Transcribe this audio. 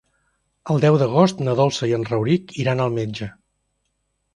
El deu d'agost na Dolça i en Rauric iran al metge.